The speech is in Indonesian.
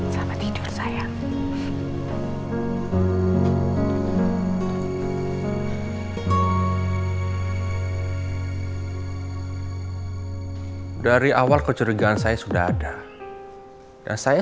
sampai jumpa di video selanjutnya